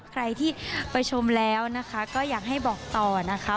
ใครที่ไปชมแล้วนะคะก็อยากให้บอกต่อนะคะ